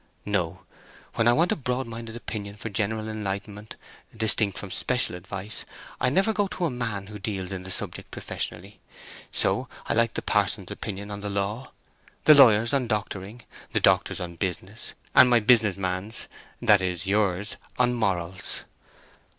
"No. When I want a broad minded opinion for general enlightenment, distinct from special advice, I never go to a man who deals in the subject professionally. So I like the parson's opinion on law, the lawyer's on doctoring, the doctor's on business, and my business man's—that is, yours—on morals."